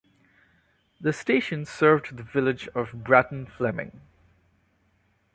The station served the village of Bratton Fleming.